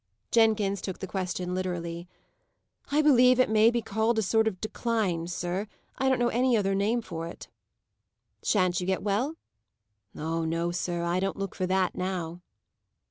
Jenkins took the question literally. "I believe it may be called a sort of decline, sir. I don't know any other name for it." "Shan't you get well?" "Oh no, sir! I don't look for that, now."